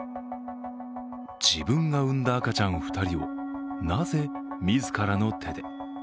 自分が産んだ赤ちゃん２人を、なぜ自らの手で。